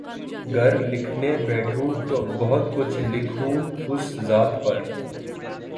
گر لکھنے بیٹھوں تو بہت کچھ لکھوں اس ذات پر